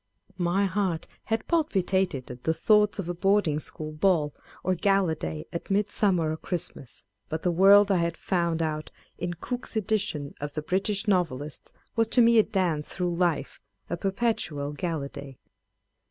My heart had palpi tated at the thoughts of a boarding school ball, or gala day at Midsummer or Christmas : but the world I had found out in Cooke's edition of the British Novelists was to me a dance through life, a perpetual gala day.